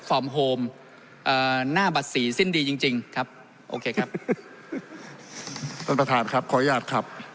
ขออนุญาตครับขออนุญาตครับ